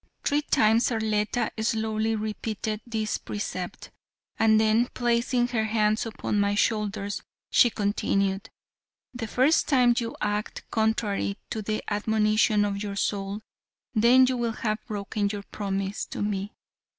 Three times Arletta slowly repeated this precept, and then placing her hands upon my shoulders, she continued: "The first time you act contrary to the admonition of your soul, then you will have broken your promise to me.